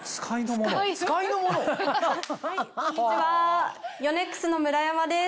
こんにちはヨネックスの村山です。